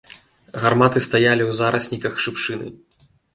Гарматы стаялі ў зарасніках шыпшыны.